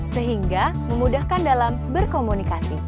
sehingga memudahkan dalam berkomunikasi